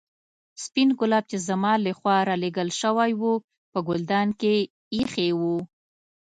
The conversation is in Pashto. سپين ګلاب چې زما له خوا رالېږل شوي وو په ګلدان کې ایښي وو.